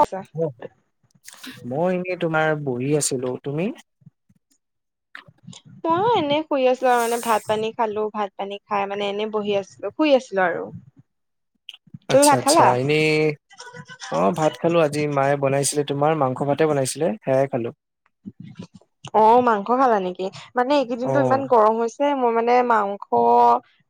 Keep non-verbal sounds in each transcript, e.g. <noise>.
অ‌ত মই এনেই তোমাৰ বহী আছিলো তুমি? মইয় এনে শুই আছো আৰু মানে ভাত পানী খালো ভাত পানী খাই মানে এনেই বহি আছিলো শুই আছিলো আৰু৷ তুমি ভাত আচ্ছা-আচ্ছা খালা এনেই অ ভাত খালো আ যি মায়ে বনাইছিলে তোমাৰ মাংস ভাতেে বনাইছিলে সেয়াই খালো৷ অ‌ মাংস খালা নেকি মানে অ এইকেইদিনটো ইমান গৰম হৈছে‌। এ মই মানে মাংস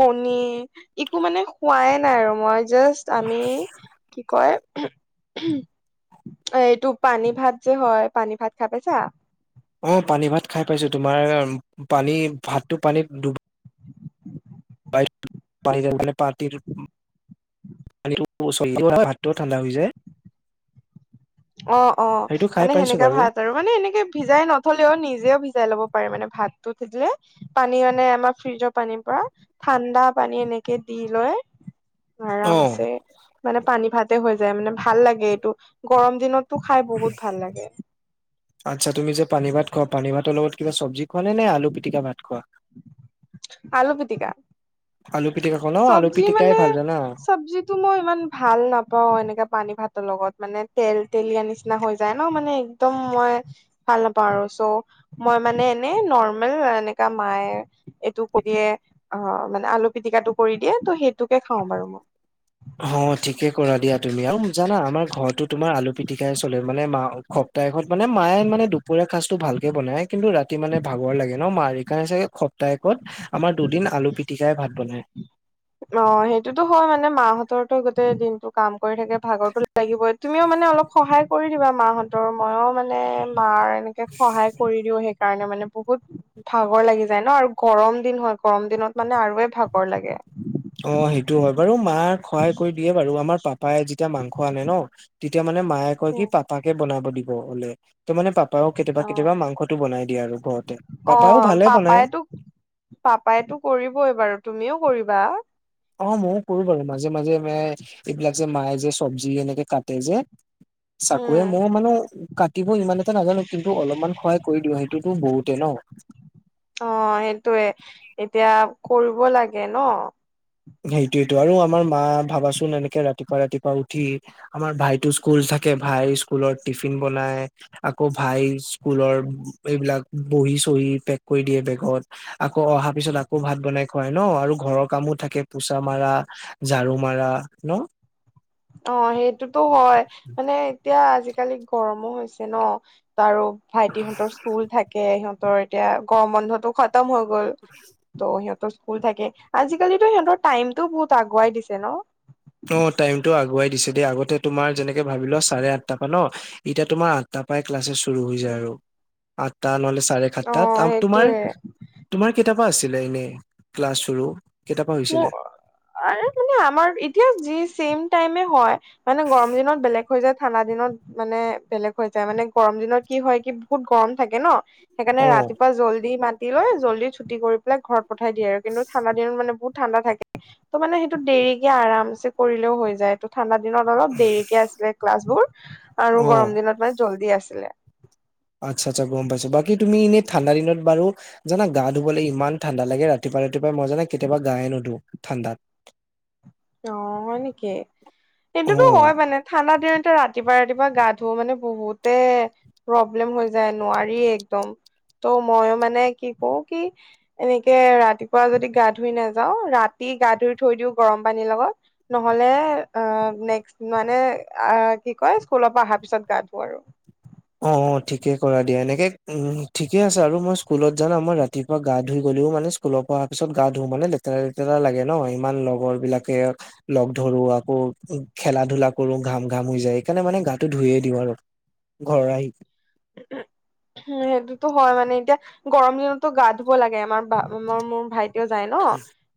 কণী একো মানে খোৱাই নাই আৰু মই জাষ্ট আমি কি হয়, এইটো পানী ভাত যে হয় পানী ভাত খাই পাইছা। অ' পানী ভাত খাই পাইছো তোমাৰ পানী ভাতটো পানীত ডুব <unintelligible> পানীটো পচন‌ দিয়া হয় ভাতটোও ঠাণ্ডা হৈ যায়। অ, অ, সেইটো খাই মানে পাইছো সেনেকা বাৰু ভাত আৰু মানে এনেকে ভিজাই নথলেও নিজেও ভিজাই লব পাৰে মানে ভাতটো থয় যে পানী মানে আমাৰ ফ্ৰিজৰ পানীৰ পৰা ঠাণ্ডা পানী এনেকে দি লৈ অ আৰামছে মানে পানী ভাতে হৈ যায় মানে ভাল লাগে এইটো গৰম দিনত তো খাই বহুত ভাল লাগে। আচ্ছা, তুমি যে পানী ভাত খোৱা পানী ভাতৰ লগত কিবা চব্জি খোৱা নে, নে আলু পিটিকা ভাত খোৱা? আলু পিটিকা। আলু পিটিকাখন চব্জি মানে চব্জি মই ইমান ভাল নাপাও এনেকে পানী ভাতৰ লগত মানে তেল তেলীয়া নিচিনা হৈ যায় ন মানে একদম মই ভাল নাপাওঁ আৰু চ' মই মানে এনে নৰ্মেল এনেকা মায়ে এইটো কৰি দিয়ে অ' মানে আলু পিটিকাটো কৰি দিয়ে ত সেইটোকে খাও বাৰু মই অ' ঠিকে কৰা দিয়া তুমি আৰু জানা আমাৰ ঘৰতো তোমাৰ আলু পিটিকা পিতিকাই চলে মানে মা সপ্তাহত মানে মায়ে মে দুপৰীয়া সাঁজটো ভালকে বনায়। কিন্তু ৰাতি মানে ভাগৰ লাগে ন মাৰ সেইকাৰণে চাগে সপ্তাহত আমাৰ দুদিন আলু পিটিকাই ভাত বনায়। অ' সেইটোতো হয় মানে মাহঁতৰতো গোটেই দিনটো কাম কৰি থাকে ভাগৰতো লাগিবই। তুমিও মানে অলপ সহায় কৰি দিবা মাহঁত মইয়ো মানে মাৰ এনেকে সহায় কৰি দিও সেইকাৰণে মানে বহুত ভাগৰ লাগি যায় ন আৰু গৰম দিন হয় গৰম দিনত মানে আৰুে ভাগৰ লাগে। অ' সেইটো হয় বাৰু মাক সহায় কৰি দিয়ে বাৰু আমাৰ পাপা পাপাই যেতিয়া মাংস আনে ন তেতিয়া মানে মায়ে কয় উম, কি পাপাকে বনাব দিব বোলে। ত' মানে পাপাও কেতিয়াবা, অ কেতিয়াবা মাংসটো বনাই দিয়ে আৰু ঘৰতে অ পাপাও ভালে বনায়। পাপাইতো পাপাইতো কৰিবই বাৰু তুমিও কৰিবা। অ' ময়ো কৰো বাৰু মাজে মাজে মায়ে এইবিলাক যে মায়ে যে চব্জি এনেকে কাটে যে উম চাকুৰে মই মানে কাটিব ইমান এটা নাজানো কিন্তু অলপমান সহায় কৰি দিওঁ সেই সেইতো বহুতে ন' অ' সেইটোয়ে এতিয়া কৰিব লাগে ন'। সেইটোয়েটো আৰু আমাৰ মা ভাবাচোন এনেকে ৰাতিপুৱা ৰাতিপুৱা উঠি আমাৰ ভাইতো স্কুল থাকে ভাই স্কুলত টিফিন বনাই আকৌ ভাই স্কুলৰ এইবিলাক বহি চহি পেক কৰি দিয়ে বেগত। আকৌ অহা পিছত আকৌ ভাত বনাই খুৱাই ন' আৰু ঘৰৰ কামো থাকে। পোচা মাৰা, ঝাৰু মাৰা ন'। অ' সেইটোতো হয় মানে এতিয়া আজিকালি গৰমো হৈছে ন। আৰু ভাইটিহঁতৰ স্কুল থাকে সিহঁতৰ এতিয়া গম বন্ধতো খতম হৈ গ'ল। ত' সিহঁতৰ স্কুল থাকে আজিকালিটো সিহঁতৰ টাইমটোও বহুত আগুৱাই দিছে ন। অ, টাইমতটো আগুৱাই দিছে দেই আগতে তোমাৰ যেনেকে ভাবি ল চাৰে আঠটা পা ন, এতিয়া তোমাৰ আ তাৰপাই ক্লাছছেচ চুৰো হয় যায় আৰু আঠটা মানে চাৰে অ সাতটাত তাৰ তোমাৰ সেইটোয়ে তোমাৰ কেতাপা আছিলে এনে ক্লাছ চুৰো। মোৰ আৰে মানে আমাৰ এতিয়া যি চেইম টাইমে হয়। মানে গৰম দিনত বেলেগ হৈ যায়। ঠাণ্ডা দিনত মানে বেলেগ হৈ যায় মানে গৰম দিনত কি হয় কি বহুত গৰম থাকে ন। সেইকাৰণে অ ৰাতিপুৱা জল্দি মাতি লৈ জল্দি চুটি কৰি পেলাই ঘৰত পঠাই দিয়ে আৰু কিন্তু ঠাণ্ডা দিনত মানে বহুত। ঠাণ্ডা থাকে ত মানে সেইটো দেৰিকে আৰামছে কৰিলেও হৈ যায় ত ঠাণ্ডা দিনত অলপ দেৰিকে আছিলে ক্লাছ বোৰ আৰু অ গৰম দিনত মানে জল্দি আছিলে। আচ্ছা আচ্ছা গম পাইছো, বাকী তুমি এনেই ঠাণ্ডা দিনত বাৰু জানা গা ধুবলৈ ইমান ঠাণ্ডা লাগে ৰাতিপুৱাই ৰাতিপুৱাই মই জানা কেতিয়াবা গায়ে নুধো ঠাণ্ডাত। অ হয় নিকি? অ এইটোতো হয় মানে ঠাণ্ডা দিনতে ৰাতিপুৱা - ৰাতিপুৱা গা ধো মানে বহুতে প্ৰব্লেম হৈ যায় নোৱাৰি একদম ত' মইও মানে কি কওঁ কি এনেকে ৰাতিপুৱা যদি গা ধুই নাযাওঁ, ৰাতি গা ধুই থৈ দিওঁ গৰম পানীৰ লগত। নহলে আ নেক্স মানে আ কি কয় স্কুলৰ পৰা অহাৰ পিছত গা ধো আৰু। অ ঠিকে কৰা দিয়া এনেকে উম ঠিকে আছে আৰু মই স্কুলত জানা মই ৰাতিপুৱা গা ধুই গ'লেও মানে স্কু তুলৰ পৰা অহাৰ পিছত গা ধুও মানে লেতেৰা - লেতেৰা লাগে ন ইমান লগৰবিলাকে লগ ধৰো আকৌ খেলা - ধূলা কৰো, ঘাম - ঘাম হৈ যায় সেইকাৰণে মানে গাটো ধুয়ে দিওঁ আৰু। ঘৰ আহি। <inaudible> উম সেইটোতো হয় মানে এতিয়া গৰম দিনতো গা ধুব লাগে আমাৰ আমাৰ মোৰ ভাইত কিয় যায় ন।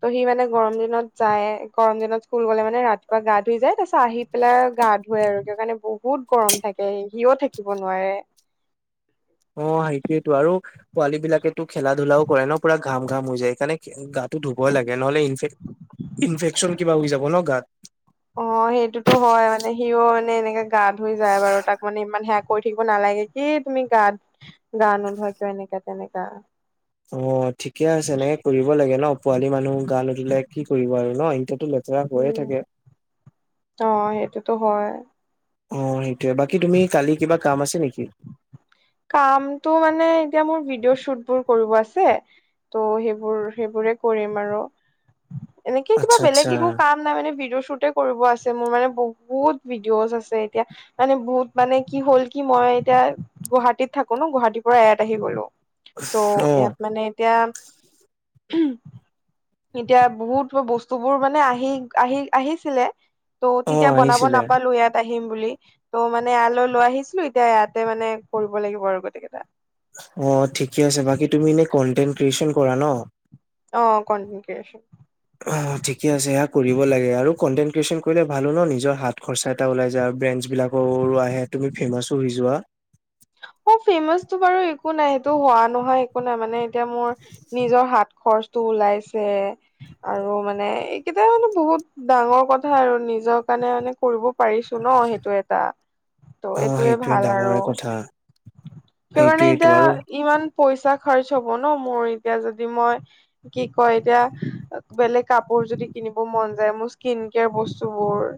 ত সি মানে গৰম দিনত যায় গৰম দিনত স্কুল গ'লে মানে ৰাতিপুৱা গা ধুই যায় তাৰ পাছত আহি পেলাই গা ধুৱে আৰু কি কাৰণে বহুত গৰম থাকে, সিও থাকিব নোৱাৰে। অ সেইটোয়েতো আৰু পোৱালীবিলাকেতো খেলা - ধূলাও কৰে ন পুৰা ঘাম - ঘাম হৈ যায় সেইকাৰণে গাটো ধুবই লাগে, নহলে ইনফেক ইনফেকচন কিবা হৈ যাব ন গাত। অ সেইটোতো হয় মানে সিও মানে এনেকে গা ধুই যায় বাৰু তাক মানে ইমান হেয়াক কৰি থাকিব নালাগে কি তুমি গাত গা নোধোৱা কিয় এনেকা তেনেকা। অ ঠিকে আছে এনেকে কৰিব লাগে ন, পোৱালি মানুহ গা নোধোলে কি কৰিব আৰু ন ইসোঁতেটো উম, অ সেইটোতো হয়। অ সেইটোয়ে, বাকী তুমি কালি কিবা কাম আছে নিকি? কামটো মানে এতিয়া মোৰ ভিডিঅ' শ্বুটবোৰ কৰিব আছে ত' সেইবোৰ সেইবোৰে কৰিম আৰু, এনেকেই কিবা আচ্ছা বেলেগ আচ্ছা একো কাম নাই মানে ভিডিঅ' শ্বুটে কৰিব আছে, মোৰ মানে বহুত ভিডিঅ'জ আছে এতিয়া মানে বহুত মানে কি হ'ল কি মই এতিয়া গুৱাহা টীত থাকো ন গুৱাহাটীৰ পৰা ইয়াত আহি গলো, ত অ ইয়াত মানে এতিয়া উমহো। এতিয়া বহুত বস্তুবোৰ মানে আহি - আহি আহিছিলে। ত অ তেতিয়া বনাব আহিছিলে নাপালো ইয়াত। আহিম বুলি, ত' মানে ইয়ালৈ লৈ আহিছিলো এতিয়া ইয়াতে মানে কৰিব লাগিব আৰু গোটেইকেইটা। অ ঠিকে আছে, বাকী তুমি এনেই কন্টেণ্ট ক্ৰিয়েচন কৰা ন? অ কন্টেণ্ট ক্ৰিয়েচন। অহ, ঠিকে আছে সেয়া কৰিব লাগে আৰু কন্টেণ্ট ক্ৰিয়েচন কৰিলে ভালো ন নিজৰ হাত খৰচা এটা ওলাই যা ব্ৰেণ্ছ বিলাকৰো আহে তুমি ফেমাচো হৈ যোৱা। অ ফেমাচটো বাৰু একো নাই সেইটো হোৱা নোহোৱা একো নাই মানে এতিয়া মোৰ নিজৰ হাত খৰচটো ওলাইছে। আৰু মানে এইকেইটা মানে বহুত ডাঙৰ কথা আৰু নিজৰ কাৰণে মানে কৰিব পাৰিছো। টো ন সেইটো এটা, অ ত' এইটোয়ে সেইটোৱে ভাল আৰু। ডাঙৰে কথা সেইকাৰণে সেইটোয়েইটো আৰু এতিয়া ইমান পইচা খাৰচ হব ন মোৰ এতিয়া যদি মই কি কয় এতিয়া বেলেগ কাপোৰ যদি কিনিব মন যায় মোৰ স্কিন কেয়াৰ বস্তুবোৰ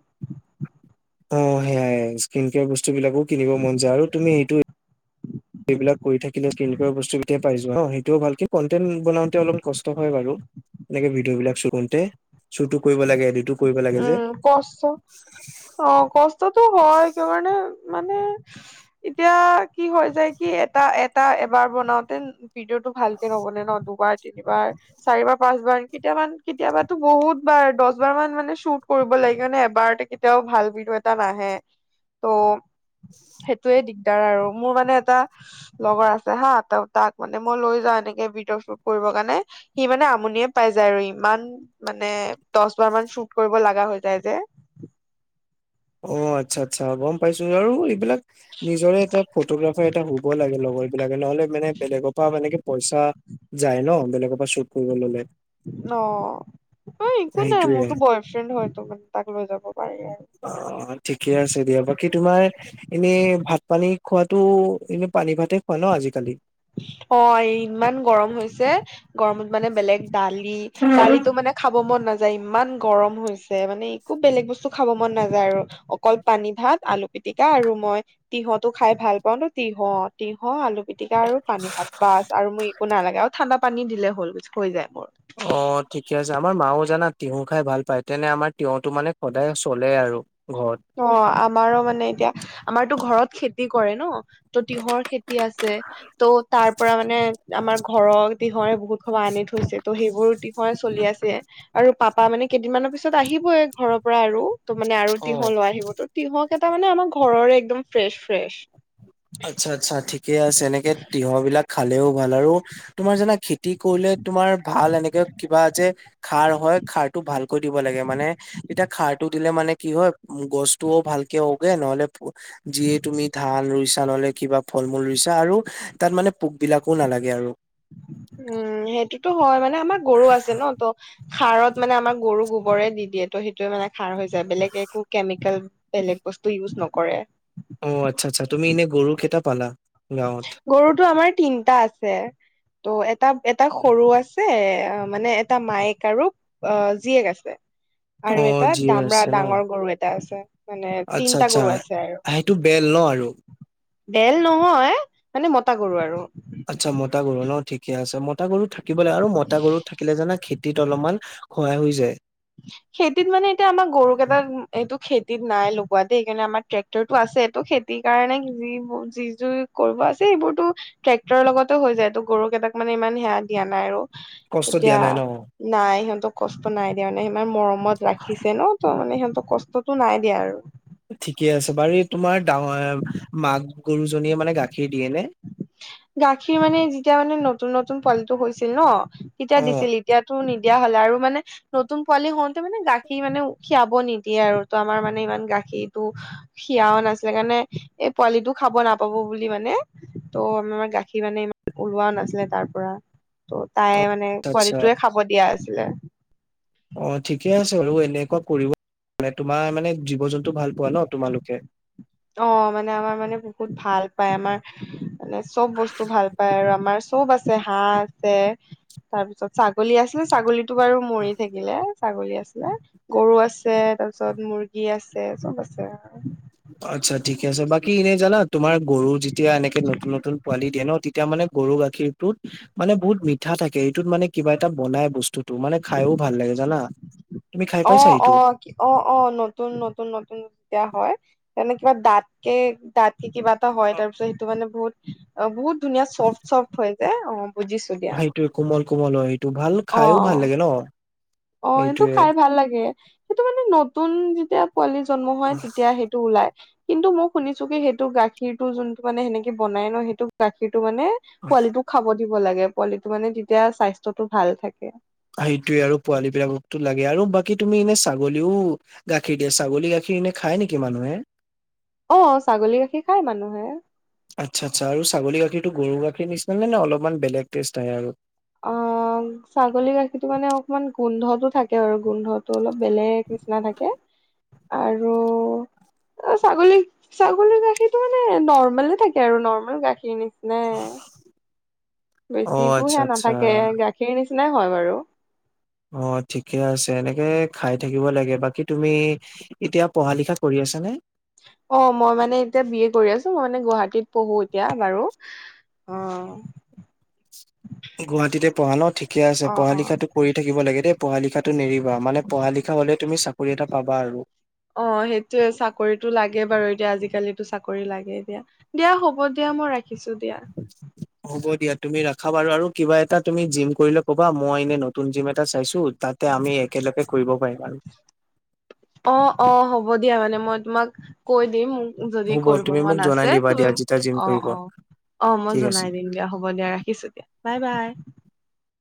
অ সেয়াই স্কিন কেয়াৰ বস্তুবিলাকো কিনিব মন যায় আৰু তুমি সেইটো সেইবিলাক কৰি থাকিলে সেই বস্তুকেই পাই যোৱা সেইটোও ভালকে কনটেন্ট বনাওঁতে অলপ কষ্ট হয় বাৰু। এনেকে ভিডিঅ'বিলাক শ্বু কৰোঁতে শ্বুতটো কৰিব লাগে এদিটো উম কষ্ট, অ কষ্টতো হয় কিয় কাৰণে মানে এতিয়া কি হৈ যায় কি এটা এটা এবাৰ বনাওতে ভিডিঅ'টো ভালকে ন'বনে ন দুবাৰ তিনিবাৰ, চাৰিবাৰ, পাঁচবাৰ কেতিয়ামান কেতিয়াবাটো বহুতবাৰ দশবাৰ মান মানে সু টোট কৰিব লাগে মানে এবাৰতে কেতিয়াও ভাল ভিডিঅ' এটা নাহে ত' সেইটোয়ে দিগদাৰ আৰু মোৰ মানে এটা, লগৰ আছে হা ত তাক মানে মই লৈ যাওঁ এনেকে ভিডিঅ' শ্বুট কৰিব কাৰণে। সি মানে আমনিয়ে পাই যায় আৰু ইমান মানে দহ বাৰ মান শ্বুট কৰিব লগা হৈ যায় যে। অ আচ্ছা আচ্ছা গম পাইছো আৰু এইবিলাক নিজৰে এটা ফটোগ্ৰাফাৰ এটা হ'ব লাগে লগৰ, বিলাকে নহলে মানে বেলেগৰ পৰা মানে কি পইচা যায় ন বেলেগৰ পৰা চু অ অ একো নাই সেইটোয়ে মোৰতো বয়, হয়তো মানে তাক লৈ যাব পাৰি আৰু অ অ ঠিকে আছে দিয়া বাকী তোমাৰ। এনেই ভাত পানী খোৱাতো এনে পানী ভাতে খোৱা ন আজিকালি। অ ইমান গৰম হৈছে গৰমত মানে বেলেগ দালি দালিটো মানে। খাব মন নাযায় ইমান গৰম হৈছে মানে একো বেলেগ বস্তু খাব মন নাযায় আৰু অকল পানী ভাত আলু পিতিকা আৰু মই, তিঁহতটো খাই ভাল পাও ন তিঁহ তিঁহ আলু, পিটিকা আৰু পানী ভাত বাছ আৰু মোৰ একো নালাগে আৰু ঠাণ্ডা পানী দিলে হ'ল হৈ যায় মোৰ। অ ঠিকে আছে আমাৰ মাও জানা তিয়ঁহ খাই ভাল পায় তেনে আমাৰ তিয়টো মানে সদায় চলে আৰু ঘৰত, অ আমাৰো মানে এতিয়া। আমাৰতো ঘৰত খেতি কৰে ন ত তিহৰ খেতি আছে। ত' তাৰ পৰা মানে আমাৰ ঘৰৰ দিহৰে বহুত খবা আনি থৈছে ত' সেইবোৰ, হয় চলি আছে। আৰু পাপা মানে কেইদিনমানানৰ পিছত আহিবই ঘৰৰ পৰা আৰু ত মানে আৰু অ' তিয়হ লৈ আহিব তো। তিহক কেটা মানে আমাৰ ঘৰৰে একদম ফ্ৰেছ ফ্ৰেছ। আচ্ছা আচ্ছা ঠিকে আছে এনেকে তিয়হ বিলাক। খালেও ভাল আৰু তোমাৰ জান খেতি কৰিলে তোমাৰ ভাল এনেকে কিবা যে। খাৰ হয় খাৰটো ভালকৈ দিব লাগে মানে। তেতিয়া খাৰটো দিলে মানে কি হয় উ গছতটোও ভালকে ওগে নহলে, যিয়ে তুমি ধাল ৰুইছ আনলে কিবা ফল মূল ৰুইছা আৰু তাত মানে পোক বিলাকো নালাগে আৰু উম সেইটোতো হয় মানে আমাৰ গৰু আছে ন ত সাৰত মানে আমাৰ গৰু গো, বৰে দি দিয়ে ত সেইটোয়ে মানে খাৰ হৈ যায় বেলেগ একো কেমিকেল বেলেগ বস্তু ইউজ নকৰে। অ আচ্ছা আচ্ছা তুমি এনেই গৰু কেইটা পালা গাঁৱত। গৰুতটো আমাৰ তিনটা আছে ত এটা এটা সৰু আছে। মানে এটা মায়েক আৰু অ জীয়েক আছে। অ আৰু এটা যিয়ে দামৰা আছে ন ডাঙৰ গৰু এটা আছে মানে তিনটা গৰু আছে আৰু টো বেল ন আৰু বেল নহয় মানে মতা গৰু আৰু আচ্ছা মতা গৰু ন ঠিকেই আছে মতা গৰু থাকিব লাগে আৰু মতা গৰু থাকিলে জানা খেতিত অলপমান, সহায় হৈ যায়। খেতিত মানে এতিয়া আমাৰ গৰু কেটাত, এইটো খেতিত নাই লগোৱাতে সেইকাৰণে আমাৰ ট্ৰেক্টৰটো আছে টো খেতিৰ কাৰণে যোৰ যি যোৰ, কৰিব আছে এইবোৰতো ট্ৰেক্টৰ লগতে হৈ যায় টো গৰু কেইটাক মানে ইমান সেৱা দিয়া নাই আৰু কষ্ট দিয়া এতিয়া নাই ন নাই সিহঁতক কষ্ট নাই দিয়া মানে সিমান মৰম। ত ৰাখিছে ন ত মানে সিহতৰ কষ্টতটো নাই দিয়া আৰু ঠিকে আছে বাৰু এই তোমাৰ ডাঙৰ মাক গৰুজনীয়ে মানে গাখীৰ দিয়ে নে। গাখীৰ মানে যেতিয়া মানে নতুন নতুন পুৱালিটো হৈছিল ন তেতিয়া অ দিছিল। এতিয়াতো নিদিয়া হলা আৰু মানে, নতুন পোৱালি হওঁতে মানে গাখীৰ মানে উ খিয়াব নিদিয়ে আৰু তো আমাৰ মানে ইমান গাখীৰটো, সিয়াও নাছিলে কাৰণে এই পোৱালিটো খাব নাপাব বুলি মানে, ত' আম আমাৰ গাখীৰ মানে ইমান ওলোৱা নাছিলে তাৰ পৰা অ তাই মানে, আচ্ছা এ আচ্ছা। পোৱালিটোয়ে খাব দিয়া আছিলে। অঁ, ঠিকে আছে বাৰু এনেকুৱা কৰিব মে তোমাৰ মানে জীৱ জন্তু ভাল পোৱা ন তোমালোকে। অ মানে আমাৰ মানে বহুত ভাল পায়, আমাৰ মানে চব বস্তু ভাল পায় আৰু আমাৰ- চব আছে, হাঁহ আছে তাৰপিছত ছাগলী আছিলে ছাগলীতো বাৰু মৰি থাকিলে। ছাগলী আছিলে, গৰু আছে তাৰপিছত মুৰ্গী আছে চব আছে আৰু। আচ্ছা ঠিকে আছে, বাকী এনে জানা তোমাৰ গৰু যেতিয়া এনেকে নতুন নতুন পোৱালি দিয়ে ন- এতিয়া মানে গৰু গাখীৰটোত মানে বহুত মিঠা থাকে এইটোত মানে কিবা এটা বনাই বস্তু- টো, মানে খাইও ভাল লাগে জানা। তুমি খাই পাইছা অঁ এইটো অঁ অঁ অঁ নতুন নতুন নতুন যেতিয়া হয় তেনে কিবা দাঁতকে দাঁত- কিবা এটা হয়, অ তাৰ পিছত সেইটো মানে বহুত অ বহুত ধুনীয়া চফ্ট চফ্ট হয় যে অঁ। সেইটোৱে কোমল কোমল অঁ সেইটো ভাল খাইওঁ ভাল লাগে ন। অঁ সেইটো সেইটোয়ে খাই ভাল লাগে সেইটো মানে নতুন যেতিয়া- পোৱালি জন্ম হয়, তেতিয়া সেইটো ওলায়। কিন্তু মই শুনিছো কি সেইটো গাখীৰটো যোনটো মানে সেনেকে বনাই ন সেইটো গাখীৰটো মানে- পোৱালিটোক খাব দিব লাগে, পোৱালিটো মানে তেতিয়া স্বাস্থ্যটো ভাল থাকে। সেইটোয়ে আৰু পোৱালী বিলাককতো লাগে আৰু বাকী তুমি এনে ছাগলীও- গাখীৰ দিয়ে ছাগলী গাখীৰ এনে খায় নেকি মানুহে। অঁ ছাগলী গাখীৰ খাই মানুহে। আচ্ছা আচ্ছা ছাগলী গাখীৰটো গৰু গাখীৰ নিচিনা নে অলপমান বেলেগ টেষ্ট হয় আৰু। অ <inaudible> ছাগলী গাখীৰতটো মানে অকমান গোন্ধতটো থাকে আৰু গোন্ধতো অলপ বেলেগ নিচিনা থাকে। আৰু- অ ছাগলী ছাগলীৰ গাখীৰটো মানে নৰ্মলে থাকে আৰু, নৰ্মেল গাখীৰ নিচিনা- <inaudible> অ বেছি আচ্ছা সেয়া আচ্ছা নাথাকে, গাখীৰ নিচিনাই হয় বাৰু। অঁ ঠিকে আছে, এনেকে খাই থাকিব লাগে বাকী তুমি- এতিয়া পঢ়া লিখা কৰি আছা নে? অঁ মই মানে এতিয়া বিএ কৰি আছো মানে গুৱাহাটীত পঢ়ো এতিয়া বাৰু। অঁ গুৱাহাটীতে পঢ়া ন ঠিকে আছে, অ পঢ়া লিখাতো কৰি থাকিব লাগে দেই পঢ়া লিখাত- টো নেৰিবা, মানে পঢ়া লিখা হ'লে তুমি চাকৰি এটা পাবা আৰু। অঁ সেইটোৱে চাকৰিটো লাগে বাৰু এতিয়া আজিকালিতো চাকৰি লাগে এতিয়া। দিয়া হ'ব দিয়া মই ৰাখিছো দিয়া। <inaudible> হ'ব দিয়া তুমি ৰাখা বাৰু আৰু কিবা এটা তুমি জিম কৰিলে কবা মই এনে নতুন জিম এটা চাইছো। তাতে আমি একেলগে কৰিব পাৰিম আৰু। অঁ অঁ হ'ব দিয়া মানে মই তোমাক কৈ দিম। যদি হ'ব কৰিব তুমি মোক মন জনাই আছে, দিবা তুমি দিয়া যেতিয়া জিম অঁ কৰিব অঁ। অঁ মই ঠিক আছে। জনাই দিম দিয়া হ'ব দিয়া ৰাখিছো দিয়া বাই বাই।